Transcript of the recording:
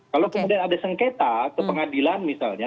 kalau kemudian ada sengketa ke pengadilan misalnya